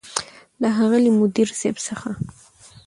له ښاغلي مدير صيب څخه